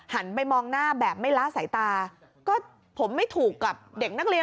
หันไปมองหน้าแบบไม่ละสายตาก็ผมไม่ถูกกับเด็กนักเรียน